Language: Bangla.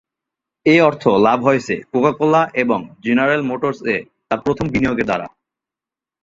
এই অর্থ লাভ হয়েছে কোকা কোলা এবং জেনারেল মোটরস এ তাঁর প্রথম বিনিয়োগের দ্বারা।